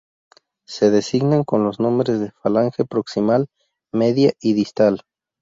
Se designan con los nombres de falange proximal, media y distal.